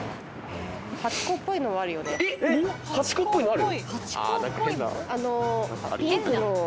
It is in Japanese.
えっハチ公っぽいのある？